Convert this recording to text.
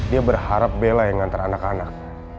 dia berharap bella yang ngantar anak anak